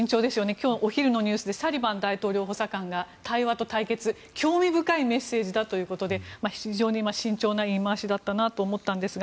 今日、お昼のニュースでサリバン大統領補佐官が対話と対決、興味深いメッセージだということで非常に慎重な言い回しだなと思ったのですが